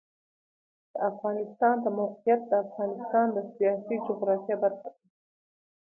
د افغانستان د موقعیت د افغانستان د سیاسي جغرافیه برخه ده.